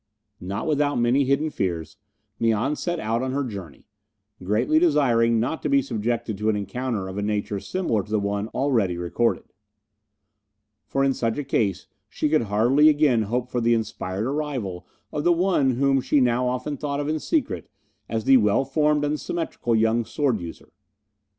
Not without many hidden fears, Mian set out on her journey, greatly desiring not to be subjected to an encounter of a nature similar to the one already recorded; for in such a case she could hardly again hope for the inspired arrival of the one whom she now often thought of in secret as the well formed and symmetrical young sword user.